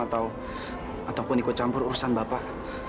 ataupun ikut campur urusan bapak